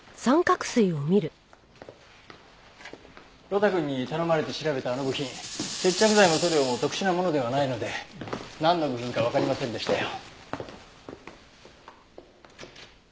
呂太くんに頼まれて調べたあの部品接着剤も塗料も特殊なものではないのでなんの部品かわかりませんでしたよ。